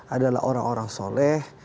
adalah orang orang soleh